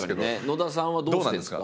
野田さんはどうなってんですか？